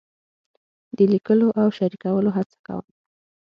د لیکلو او شریکولو هڅه کوم.